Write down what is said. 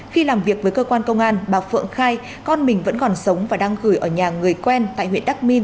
khi làm việc với cơ quan công an bà phượng khai con mình vẫn còn sống và đang gửi ở nhà người quen tại huyện đắk minh